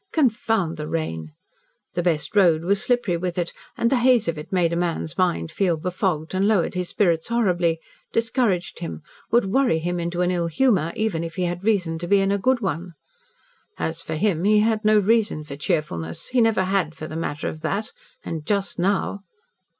Confound the rain! The best road was slippery with it, and the haze of it made a man's mind feel befogged and lowered his spirits horribly discouraged him would worry him into an ill humour even if he had reason to be in a good one. As for him, he had no reason for cheerfulness he never had for the matter of that, and just now